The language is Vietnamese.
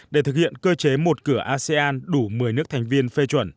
để thực hiện cơ chế một cửa asean đủ một mươi nước thành viên phê chuẩn